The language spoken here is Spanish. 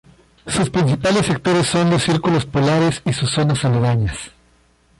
Sus principales sectores son los círculos polares y sus zonas aledañas.